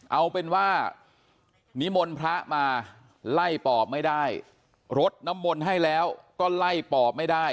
เอาเป็นว่านิมนต์พระมาไล่ปอบไม่ได้รดน้ำมนต์ให้แล้วก็ไล่ปอบไม่ได้